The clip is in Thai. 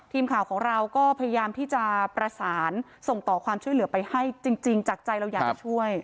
ทีมข่าวของเราก็พยายามที่จะประสานส่งต่อความช่วยเหลือไปให้จริงจากใจเราอยากจะช่วย